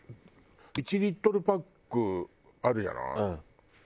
１リットルパックあるじゃない。